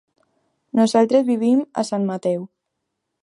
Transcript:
Nosaltres vivim a Sant Mateu.